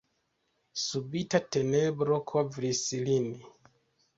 Subita tenebro kovris ilin.